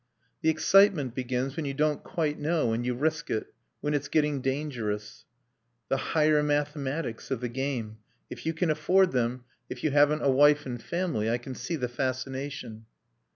"... The excitement begins when you don't quite know and you risk it; when it's getting dangerous. "... The higher mathematics of the game. If you can afford them; if you haven't a wife and family I can see the fascination...."